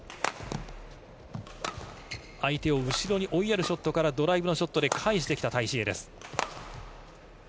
相手を後ろに追いやるショットからドライブのショットで返してきたタイ・シエイです。